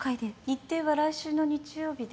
日程は来週の日曜日で。